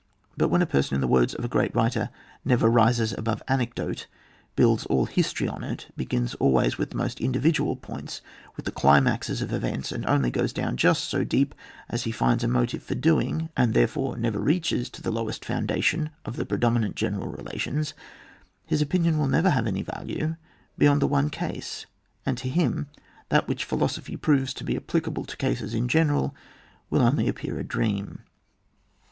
But when a person, in the words of a great writer, ^^ never rises above aneedote,^^ builds all history on it, begins always with the most individual points, with the climaxes of events, and only goes down just so deep as he finds a mo tive for doing, and therefore never reaches to the lowest foundation of the predomi nant general relations, his opinion will never have any value beyond the one case, and to him, that which philosophy proves to be applicable to cases in gene ral, will only appear a dream.